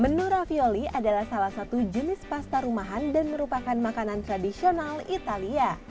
menu ravioli adalah salah satu jenis pasta rumahan dan merupakan makanan tradisional italia